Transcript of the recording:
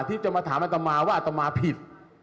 ที่จะมาถามอาธมะว่าอาธมะผิด